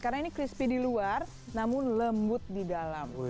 karena ini crispy di luar namun lembut di dalam